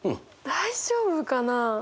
大丈夫かな。